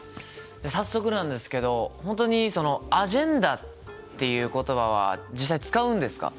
早速なんですけどホントに「アジェンダ」っていう言葉は実際使うんですか？